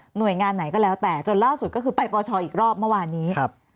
งานไหนก็แล้วแต่จนล่าสุดก็คือไปปชอีกรอบเมื่อวานนี้